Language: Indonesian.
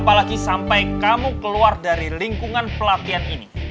apalagi sampai kamu keluar dari lingkungan pelatihan ini